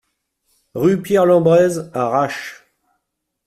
Rue Pierre Lembrez à Râches